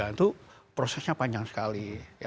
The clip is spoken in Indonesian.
itu prosesnya panjang sekali